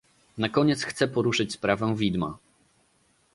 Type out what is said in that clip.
Na koniec chcę poruszyć sprawę widma